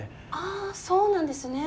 あそうなんですね。